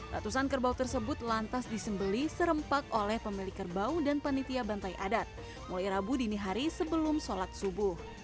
ratusan kerbau tersebut lantas disembeli serempak oleh pemilik kerbau dan panitia bantai adat mulai rabu dini hari sebelum sholat subuh